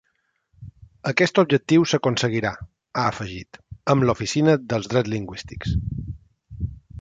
Aquest objectiu s’aconseguirà, ha afegit, amb l’oficina dels drets lingüístics.